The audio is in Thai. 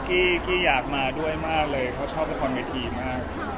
ใช่ครับตอนแรกกี้อยากมาด้วยมากเลยเขาชอบละครวิทีมาก